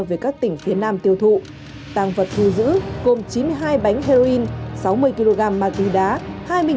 về các tỉnh phía nam tiêu thụ tăng vật thu giữ gồm chín mươi hai bánh heroin sáu mươi kg ma túy đá